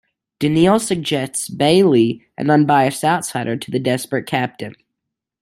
Daneel suggests Baley, an unbiased outsider, to the desperate captain.